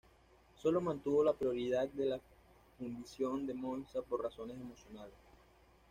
Solo mantuvo la propiedad de la fundición de Monza por razones emocionales.